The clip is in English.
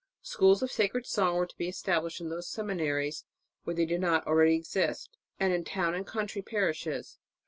Schools of sacred song were to be established in those seminaries where they did not already exist, and in town and country parishes.